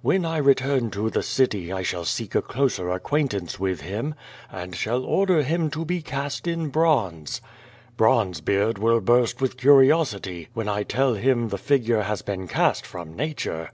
When I return to the city I shall seek a closer acquaint ance with him, and shall order him to be cast in bronze. Bronzebeard will burst with curiosity when I tell him the figure has been cast from nature.